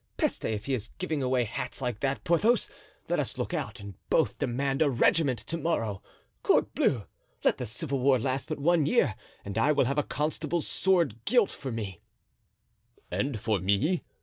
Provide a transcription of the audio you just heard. "Peste, if he is giving away hats like that, Porthos, let us look out and both demand a regiment to morrow. Corbleu! let the civil war last but one year and I will have a constable's sword gilt for me." "And for me?"